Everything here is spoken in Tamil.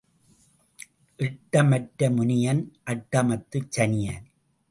இட்டம் அற்ற முனியன், அட்டமத்துச் சனியன்.